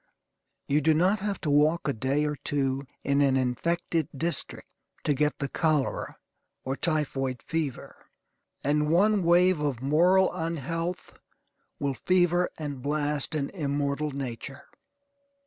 You do not have to walk a day or two in an infected district to get the cholera or typhoid fever; and one wave of moral unhealth will fever and blast an immortal nature.